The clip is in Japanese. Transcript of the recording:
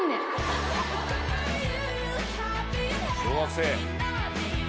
小学生。